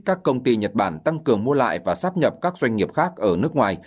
các công ty nhật bản tăng cường mua lại và sắp nhập các doanh nghiệp khác ở nước ngoài